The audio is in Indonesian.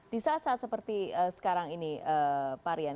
di saat saat seperti sekarang ini pak rian